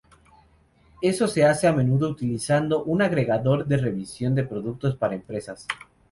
Esto se hace a menudo utilizando un agregador de revisión de productos para empresas.